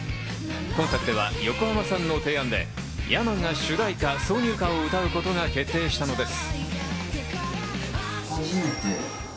今作では横浜さんの提案でｙａｍａが主題歌・挿入歌を歌うことが決定したのです。